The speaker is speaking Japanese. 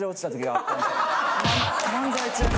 漫才中に。